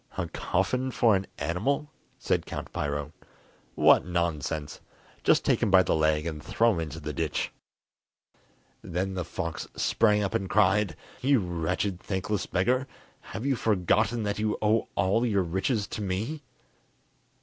"A coffin for an animal?" said Count Piro. "What nonsense! just take him by the leg and throw him into the ditch." Then the fox sprang up and cried: "You wretched, thankless beggar; have you forgotten that you owe all your riches to me?"